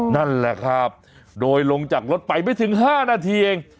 นั่นแหละครับโดยลงจากรถไปไม่ถึง๕นาทีเอง